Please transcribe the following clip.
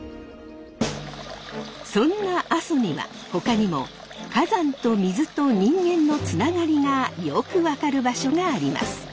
そんな阿蘇にはほかにも火山と水と人間のつながりがよく分かる場所があります。